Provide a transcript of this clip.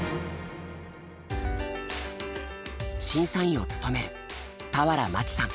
審査員を務める俵万智さん。